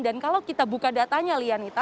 kalau kita buka datanya lianita